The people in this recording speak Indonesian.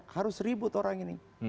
harus ribut orang ini